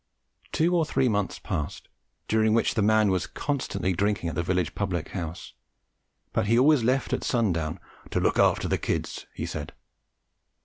Two or three months passed, during which the man was constantly drinking at the village public house; but he always left at sundown "to look after the kids," he said.